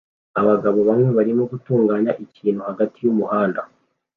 Abagabo bamwe barimo gutunganya ikintu hagati yumuhanda